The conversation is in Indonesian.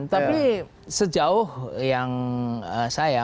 tapi sejauh yang saya